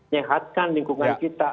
nyehatkan lingkungan kita